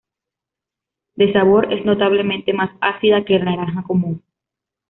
De sabor es notablemente más ácida que la naranja común.